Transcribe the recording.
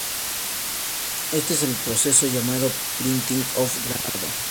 Este es el proceso llamado printing o "Grabado".